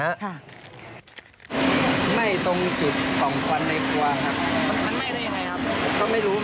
ไหม้ตรงจุดปล่องควันในครัวครับ